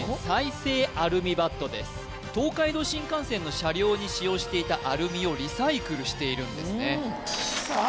東海道新幹線の車両に使用していたアルミをリサイクルしているんですねさあ